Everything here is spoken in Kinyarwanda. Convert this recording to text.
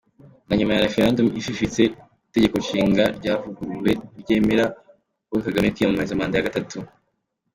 Na nyuma ya Referendum ififitse, Itegekonshinga ryavuguruwe ntiryemerera Paul Kagame kwiyamamariza manda ya gatatu.